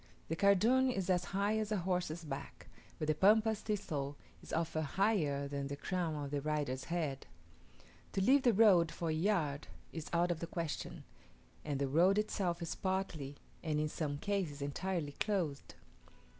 The cardoon is as high as a horse's back, but the Pampas thistle is often higher than the crown of the rider's head. To leave the road for a yard is out of the question; and the road itself is partly, and in some cases entirely closed.